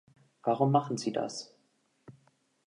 Warum machen Sie das?